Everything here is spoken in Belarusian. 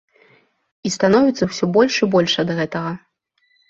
І становіцца ўсё больш і больш ад гэтага.